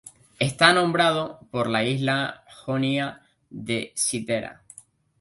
Está nombrado por la isla jonia de Citera.